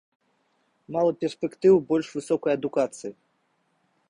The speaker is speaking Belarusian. Мала перспектыў больш высокай адукацыі.